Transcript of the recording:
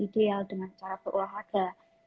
ideal dengan cara berolahraga